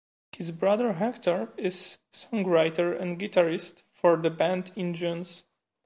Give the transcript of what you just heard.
His brother Hector is songwriter and guitarist for the band Injuns.